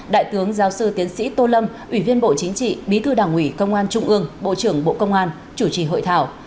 đại tướng giáo sư tiến sĩ tô lâm ủy viên bộ chính trị bí thư đảng ủy công an trung ương bộ trưởng bộ công an chủ trì hội thảo